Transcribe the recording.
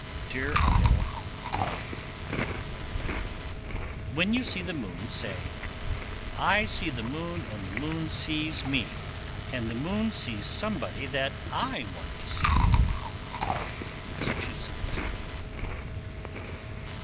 Deer Isle, Me. 1089. When you see the moon, say, I see the moon and the moon sees me, And the moon sees somebody that I want to see. _Massachusetts.